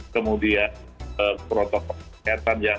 kemudian protokol kesehatan yang